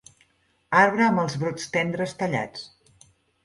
Arbre amb els brots tendres tallats.